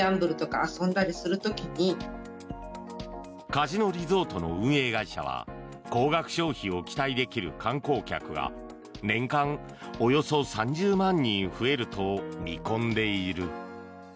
カジノリゾートの運営会社は高額消費を期待できる観光客が年間およそ３０万人増えると見込んでいる。